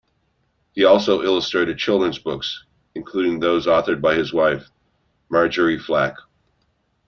He also illustrated children's books, including those authored by his wife Marjorie Flack.